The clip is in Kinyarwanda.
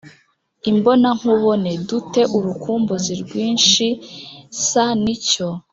imbonankubone du te urukumbuzi rwinshi s Ni cyo